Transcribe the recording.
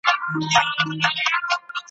یا “خبره دي بدله په ګلاب”